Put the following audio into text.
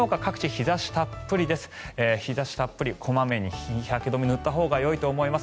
日差したっぷり小まめに日焼け止めを塗ったほうがいいと思います。